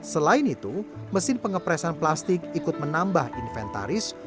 selain itu mesin pengepresan plastik ikut menambah inventaris